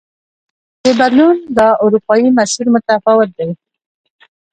د بدلون دا اروپايي مسیر متفاوت دی.